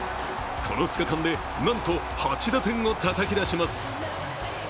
この２日間でなんと８打点をたたき出します。